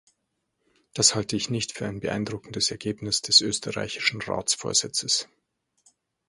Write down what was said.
Das halte ich nicht für ein beeindruckendes Ergebnis des österreichischen Ratsvorsitzes.